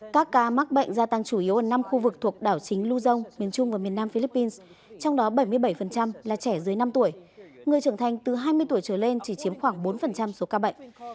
các ca mắc bệnh gia tăng chủ yếu ở năm khu vực thuộc đảo chính luzon miền trung và miền nam philippines trong đó bảy mươi bảy là trẻ dưới năm tuổi người trưởng thành từ hai mươi tuổi trở lên chỉ chiếm khoảng bốn số ca bệnh